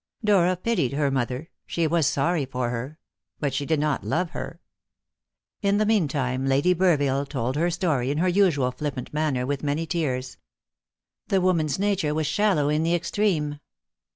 Dora pitied her mother; she was sorry for her; but she did not love her. In the meantime Lady Burville told her story, in her usual flippant manner, with many tears. The woman's nature was shallow in the extreme.